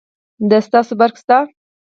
د تاسي برق شته